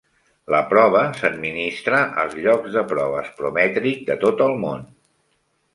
La prova s'administra als llocs de proves Prometric de tot el món.